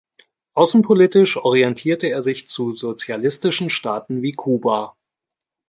Außenpolitisch orientierte er sich zu sozialistischen Staaten wie Kuba.